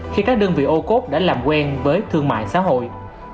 khi các đơn vị ô cốt đã làm quen với thương mại xã hội